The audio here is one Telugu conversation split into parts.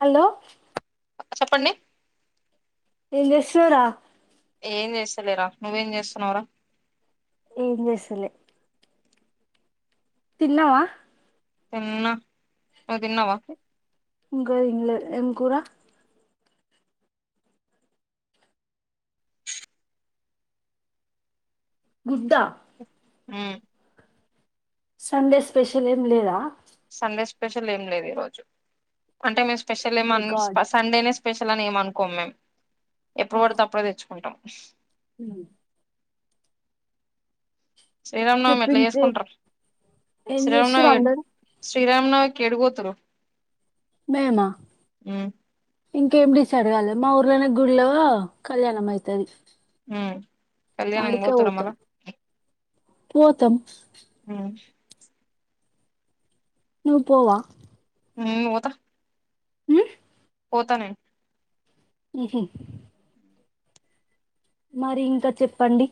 హలో చెప్పండి ఏం చేస్తున్నావ్రా ఏం చేస్తలేరా నువ్వేం చేస్తున్నావ్ రా ఏం చేస్తలే తిన్నావా తిన్నా నువ్వు తిన్నావా ఇంగ తినలేదు ఎం కూరా ముద్ద హ్మ్ సండే స్పెషల్ ఏం లేదా సండే స్పెషల్ ఏం లేదు ఈరోజు అంటే మేము ఓ స్పెషల్ ఏమో మై అన్ గాడ్ సండేనె స్పెషల్ అని ఏం అనుకోం మేమ్ ఎప్పుడు పడుతె అప్పుడె తెచ్చుకుంటాం ష్ హు శ్రీరామనవమి చెప్పు ఎట్ల ఇంకే చేసుకుంటరు ఏం చేస్తుర్రు శ్రీరామనవమీ అందరు శ్రీరామనవమికి ఏడికి పోతురు మేమా ఇంకేం డిసైడ్ గాలే మా ఊర్లనే గుడిలొ కళ్యాణం అయితది ఉ కళ్యాణానికి పోతురా మల్ల పోతం నువ్ పోవా నిన్ను పోతా ఉ పోతనేను ఉహు మరి ఇంకా చెప్పండి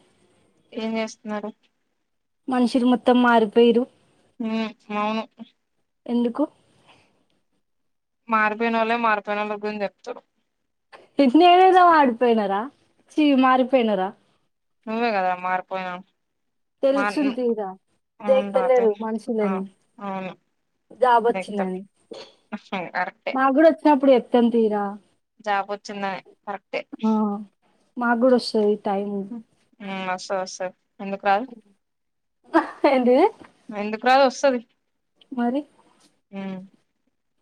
ఏం చేస్తున్నారు మనుషులు మొత్తం మారిపోయిరు ఉ అవును ఎందుకు మారిపోయినోళ్ళే మారిపోయినోళ్ళ గురించి చెప్తారు ఇటు నేను ఏడ మాడిపోయినరా చి మారిపోయినరా నువ్వే కదా మారిపోయినవ్ తెలుసుందిరా రాతే డెక్తలేరు ఆ, మనుషులని జాబ్ అవును వచ్చిందని కరెక్టే మా కూడా వచ్చినప్పుడు చెప్ వాతంతిరా జాబ్ వచ్చిందని కరెక్టే ఆ మాకు కూడా వస్తది టైం హుమ్ వస్తా వస్తది ఎందుకు రాదు ఏంది ఎందుకు రాదు వస్తది మరి ఉ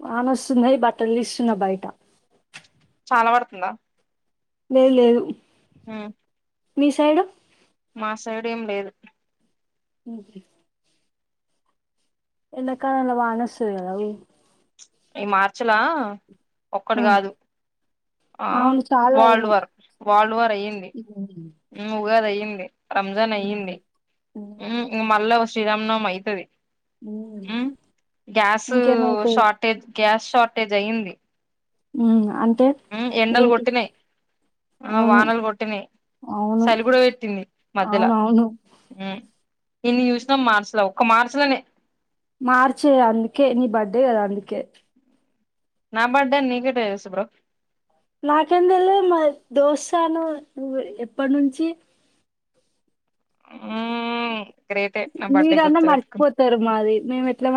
వాన వస్తుంది బట్టలు తీస్తున్నా బయట చాలా వడుతుందా లేదు లేదు హు మీ సైడు మా సైడ్ ఏం లేదు ఎండాకాలం ల వాన వస్తది కదా ఉ ఈ మర్చి ల ఆ, ఒక్కటి కాదు ఆ అవును చాలా వాళ్డ్ అయినాయి వారు వాల్డ్ వారు అయ్యింది ఉగాది అయింది రంజాన్ అయ్యింది ఉ మళ్ళా వస్ శ్రీ రామనవమి అయితది ఊ ఉమ్ గ్యాస్ ఇంకేమవుతది షార్టేజ్ గ్యాస్ షార్టేజ్ అయ్యింది. ఊ అం ఉ ఎండలు కొట్టినయ్ ఆ అవును వానలు కొట్టినయ్ అవును సలి కూడ పెట్టింది మధ్యల అవునవును ఊ ఇన్ని చూసినాం మార్చిలో ఒక్క మార్చి లోనే మార్చే అందుకే నీ బర్త్డే కదా అందుకే నా బర్త్డే అని నీకేట్ట తెలుసు బ్రో నాకెం తెలవద్ మా దోస్తాన్ నువు ఎప్పుడ్నుంచి ఊ మీరన్నా మర్చిపోతారు మాది మేము ఎట్లా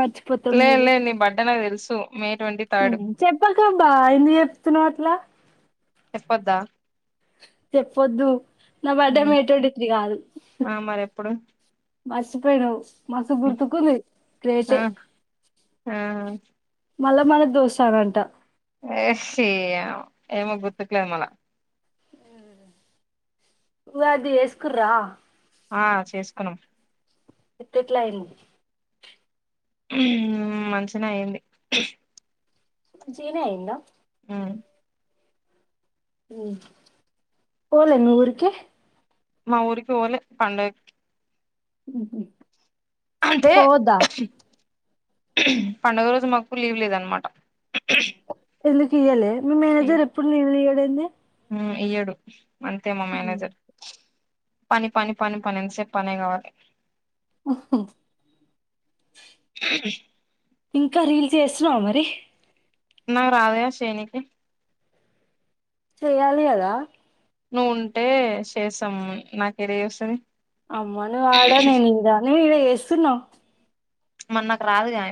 లే లే నీ బర్త్డే నాకు తెలుసు మే ట్వంటీ ఉ థర్డ్ చెప్పాకబ్బా ఎందుకు చెప్తున్నావట్లా చెప్పొద్దా చెప్పొద్దు నా బర్డె మే ట్వంటీ త్రీ కాదు ఆ మరి ఎప్పుడు మర్చిపోయినవ్ మస్తు గుర్తుకుంది గ్రేటే ఆహా మల్ల మల్ల దోస్తానంట ఏ షి ఏమో ఏమో గుర్తుకులేదు మళ నువ్వది ఎసుకోరా ఆ చేసుకున్నాం ఎట్ల ఎట్లయింది. మంచినే అయింది. మంచిగనే అయ్యిందా ఉ ఊ పోలే మీ ఊరికి మా ఊరికి పోలే పండగ్కి ఊహు అంటే పండుగ రోజు మాకు లీవ్ లేదనమాట. ఎందుకు ఇయ్యలే మీ మేనేజర్ ఎప్పుడు లీవ్ లియ్యడే ఏంది ఊ ఇయ్యడు అంతే మా ఉమ్. మేనేజర్ పని పని పని పని ఏంతసేపు పనే కావాలి. అహొ ఇంకా రీల్ చేస్తున్నావ మరి నాకు రాదు గా చేయనికి చేయాలి కదా నువ్వుంటే చేసాం అని నాకు ఇడా ఏడా వస్తది అమ్మ నువ్వు ఆడ నేను ఇడా నేను ఇడా చేస్తున్న మరి నాకు రాదుగా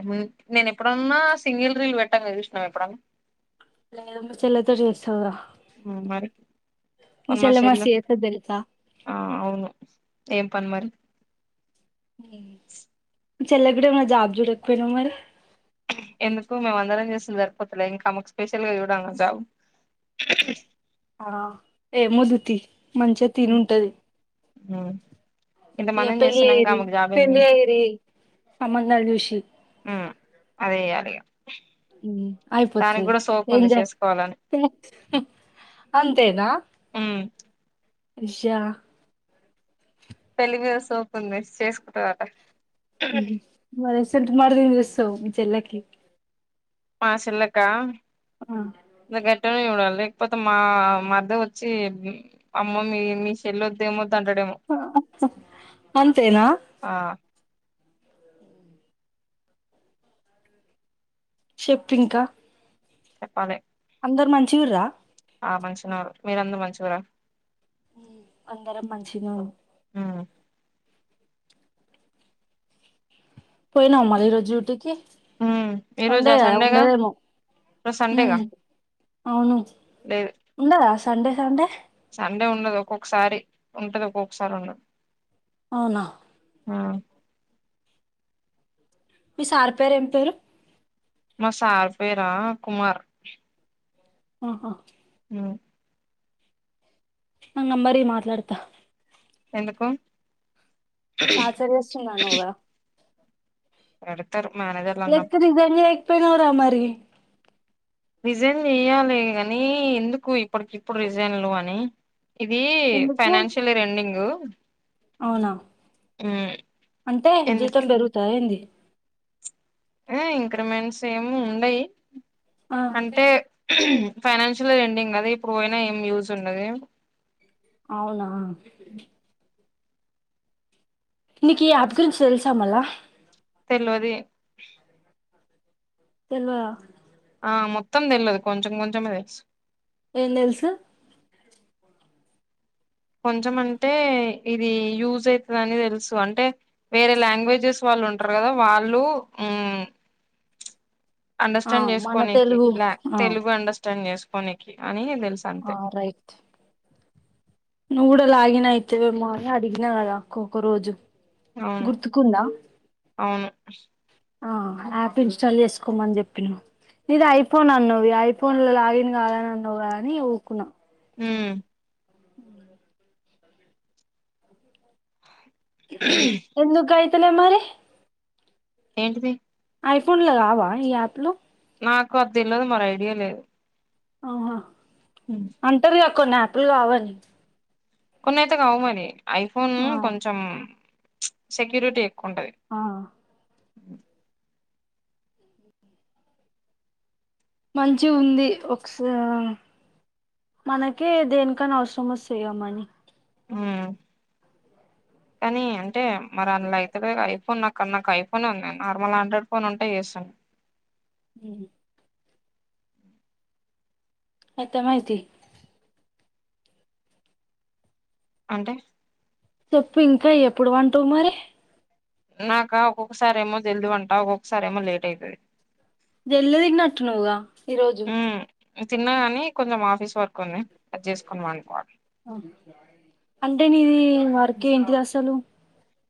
నేను ఎప్పుడున్నా సింగిల్ రీల్ పెట్టాంగా చూసినవా ఎపుడన్న లేదు మీ చెల్లెతొ చేస్తావురా మరి మీ మరి మా చెల్లె మస్తు చేత్తాది తెల్సా ఆ అవును ఏం పని మరి అవును మీ చెల్లికి కూడా ఏమైనా జాబ్ చూడకపోయినావ మరి ఎందుకు మేము అందరం చేస్తున్నమ్ సరిపోతులే ఇంకా ఆమెకు స్పెషల్ గా చూడాలనా జాబ్ ఆ ఏం వొద్దు తీ మంచిగా తిని ఉంటాది అ ఇంకా పెళ్ళి చేయిరి ఎందుకు పెళ్ళి ఇంకా చేయిరే సంబంధాలు చూషి ఉమ్ అదే అదిగ అయిపోతాది ఉంది ఎంజాయ్ చేసుకోవాలని హు [unintelligible] అంతేన ఉమ్ ఇజా పెళ్లి మీద సోపు ఉంది చేసుకుంటాదట ఉహూ బ్రాతిమలాడుకొని చేస్తావు మీ చెల్లికి ఆ సూనక్క ఆ ట్టే చూడాలి లేకపోతే మా మధ్య వచ్చి అమ్మ మీ మీ చెల్లో తేమాన్ అంతేనా ఆ చెప్ ఇంకా చెప్పాలే అందరు మంచిగుర్రా ఆ మంచిగా ఉన్నారు మీరందరూ మంచిగురా అందరం మంచినే ఆ పోయినావ మళ్ళ ఇరోజు డ్యూటీ కీ ఉమ్ ఈ సండే రోజా కదా సండేగా ఉండదేమో ఈరోజు సండేగా లేదు ఉండదా సండే సండే సండే ఉండదు ఒక్కొక్కసారి ఉంటది ఒక్కొక్కసారి ఉండదు అవునా ఆ మీ సార్ పేరు ఏం పేరు మా సార్ పేరా కుమార్ ఆహ అ నక్ నంబర్ ఇయ్యి మాట్లాడుతా ఎందుకు టచ్చర్ చేస్తుండు అన్నావు కదా కొడుతరు లేకపోతే రిసైన్ చేయక్ పోయినవ్ రా మరి రిజైన్ చెయ్యాలే గని ఎందుకు ఇప్పటికి ఇప్పుడు రిజైన్లు అని ఇది ఎందుకు ఫైనాన్షియల్ ఎండింగు అ అవునా అంటే ఎందుకు జీతం పెరుగుతాయ ఏంది? ఏ ఇంక్రిమెంట్స్ ఏమి ఉండయి. ఆ అంటే? ఫైనాన్షియల్ ఎండింగ్ కదా ఇప్పుడు పోయినా ఏం యూజ్ ఉండది. అవునా? నీకు ఈ యాప్ గురించి తెలుసామల్లా? తెల్వది. తెల్వదా? ఆ మొత్తం తెలియదు కొంచెం కొంచమే తెలుసు. ఏం తెలుసు కొంచెం అంటే ఇది యూజ్ అవుతదని తెలుసు అంటే వేరే లాంగ్వేజెస్ వాళ్ళు ఉంటారు కదా వాళ్ళు హు ఆ అండర్స్టాండ్ మన చేసుకోనికి తెలుగు లా ఆ తెలుగు అండర్స్టాండ్ చేస్ కొనికి అని తెలుసు ఆ అంతే రైట్ నువ్వు కూడా లాగినయితేవేమో అని అడిగినా కదక్క ఒక్క రోజు అవును గుర్తుకుంద అవును ఆ యాప్ ఇన్స్టాల్ చేసుకోమని చెప్పిన నీది ఐఫోన్ అన్నది ఐఫోన్ల లాగిన్ కాదని అన్నావుగా అని ఊకున్నా హు ఎందు కై తలే మరి ఏంటిది ఐఫోన్లు రావా ఈ యాప్లు. నాకు అది తెల్వదు మరి ఐడియా లేదు. ఆహా! అంటరుగా? కొన్ని యాపులు కావాలి. కొన్ని అయితే కావుమరి. ఐఫోను, ఆ కొంచెం సెక్యూరిటి. ఆ! మంచి ఉంది ఒకస మనకే దేనికన్నా అవసరం వస్తాయి గ మనీ ఉమ్! కానీ అంటే? మరి అందులో అయితేలే అయిపోన్ నాకు. అక్కడ నాకు ఐఫోన్ ఉంది నార్మల్ ఆండ్రాయిడ్ ఫోన్ ఉంటే చేసాను. అర్థమయితాయి. అంటే చెప్పు ఇంకా ఎప్పుడు వంటవు మరి నాక ఒక్కొక్కసారి ఏమో జల్దీ పంట ఒక్కొక్కసారి ఏమో లేట్ అయితది జెల్ది తిన్నట్టున్నావ్ గా ఈరోజు తిన్న కానీ కొంచెం ఆఫీస్ వర్క్ ఉంది అది చేసుకొని పండుకోవాలి అంటే నిది వర్ కేంటిదసలు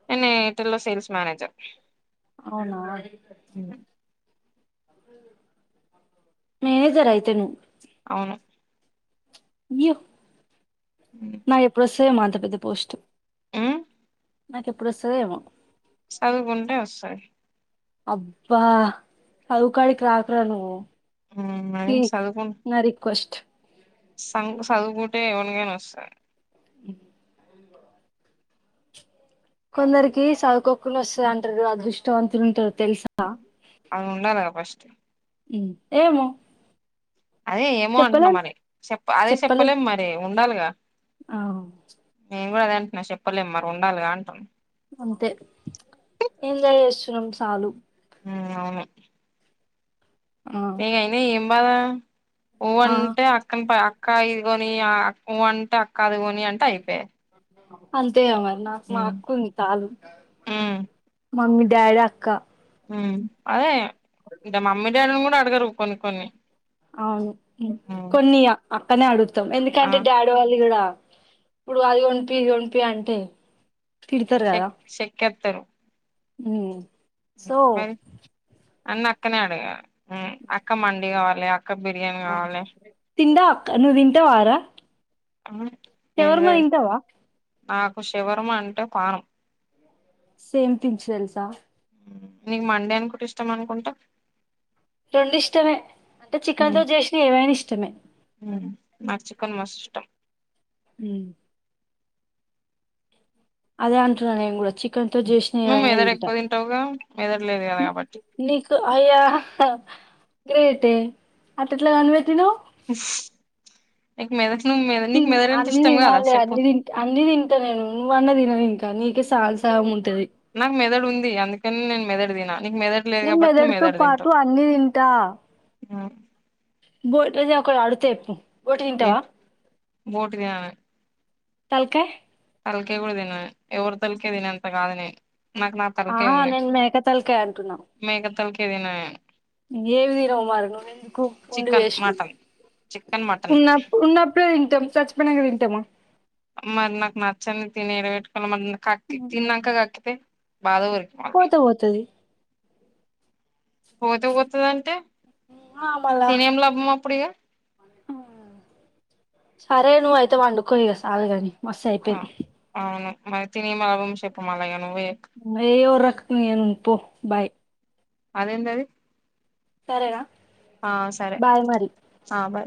నిను ఎయిటల్ ల్లో సెల్స్ మనేజర్ అవునా మేనేజర్ అయితే ను అవును వ్యూ ఉమ్ నా ఎప్పుడు వస్తాయేమో అంత పెద్ద పోస్ట్. ఉమ్ నాకు ఎప్పుడొస్తాదో ఏమో సాదువుకుంటే వస్తయి అబ్బా చదువు కాడికి రాక్ర నువ్వు ఉమ్ మరి ప్లీజ్ నా రిక్వెస్ట్ సంక్ చదువుకుంటే ఎవలకైనా వస్తాయి ఉ కొందరికి సాగుకోకుడా వస్తుంది అంటారు కదా అదృష్టవంతులుంటారు. అది ఉండాలగా ఫస్ట్ ఏమో అదే ఏమో అంటున్నా చెప్పలేం మరి చెప్ప అదే చెప్పలేం చెప్పలేము మరి ఉండాలిగా ఆ ఉ కూడా అద అంటున్నా చెప్పలేం మరి ఉండాలి గా అంటున్ అంతే ఎంజాయ్ చేస్తున్నాం చాలు ఉ అవును ఆ ఏ అయిన ఎం బాదా ఓ ఆ అంటే అక్కన్ పా అక్ క్కా ఇదిగోని అక్ ఉ అంటే అక్క అదిగని అంటే అయిపోయి. అం తె గా మరి నాకు మా అక్క ఉంది చాలు. ఉమ్ మమ్మీ, డాడీ, అక్కా ఉ అదే ఇట మమ్మీ దాడింకూడా ఆడ్ గారు కొన్ని కొన్ని అవును ఉమ్ కొనీ ఆ కనే అడు త్తం ఆ ఎందుకంటే డాడీ వాళ్ళు కూడా ఇప్పుడు అది కొంపి ఇది కొంపి అంటే. సెక్ సెకెతరు ఉ ఓ అన్న అక్కనే అడిగాలీ ఉ అక్క మడి కావాలి అ ఆహా తిండా నువ్వు తింటావా ర ఉమ్ శవర్మ ఏంటిదది తింటవా నాకు షవర్మ అంటే పానం సేమ్ పించ్ తెలుసా నీకు మండి అనికుంట ఇష్టం అనుకుంటా రెండు ఇష్టమే, అంటే చికెన్తో చేసినై ఏవైనా ఇష్టమే. ఉమ్ నాకు చికన్ మస్తు ఇష్టం. హ్మ్ అదే అంటున్న నేను కూడా చి కన్ తో చేసినవి నువ్వు ఏవైనా మెదడు తింట ఎక్కువ తింటావుగా మెదడు లేదు కదా కాబట్టి నీకు అయా గ్రేటె అట్ట ఎట్ల కనిపెట్టినవ్ నీకు మెద నువ్వు నీకు తిన్ మెదడు అంటే అన్ని ఇష్టం కాదా తినాలి చెప్పు అన్ని తింట అన్ని తింటా నేను నువ్వన్న తినవు ఇంకా కానీకి సాల్ సాగము నాకు మెదడు ఉంది అందుకని నేను మెదడు తిన, నీకు మెదడు లేదు నేను కాబట్టి నువ్వు మెదడుతో మెదడు పాటు తింటవ్ అన్ని తింటా ఉమ్ బోటది ఒకటి అడుగుత చెప్పు బోటి తింటవా బోటినాన తలకాయ్ తలకాయ్ కూడా తిన నేను, ఎవరు తలకాయ్ తినే అంత కాదు నేను. నాకు నా తలకాయ ఆహా ఉంది నేను మేక తలకాయ్ అంటున్నా మేక తలకాయ తిన నేను ఏవి తినవ్ మరి నువ్వెందుకు ఉండి చికెన్ వేస్ట్ నువ్, మటన్ చికెన్ మటన్ ఉన్నప్పు ఉన్నప్పుడే తింటం సచ్చిపోయినంక తింటమా మరి నాకు నచ్చని తినేడబెట్టుకోవాలి మరి నా కక్కి తిన్నంక కక్కితే బాధ ఊరికి పంపి పోతే పోతది పోతే పోతదంటే ఆ మళ్ళా తినేం లాభమప్పుడిగా సరే నువ్వు అయితే వండుకో ఇగ సాలు గని మస్త్ ఆ అయిపోయింది అవును మరి తిని [unintelligible] ఏ ఒర్రక్ నువ్వు ఇగ నువ్ పో బయ్ అదెందది సరేనా, బాయ్ మరి. ఆ బాయ్